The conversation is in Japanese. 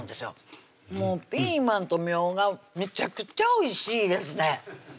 もうピーマンとみょうがめちゃくちゃおいしいですね